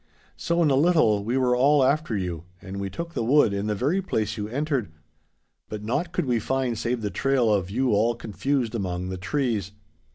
'So, in a little, we were all after you, and we took the wood in the very place you entered. But naught could we find save the trail of you all confused among the trees.